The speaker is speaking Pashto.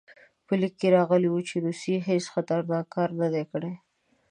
په لیک کې راغلي وو چې روسیې هېڅ خطرناک کار نه دی کړی.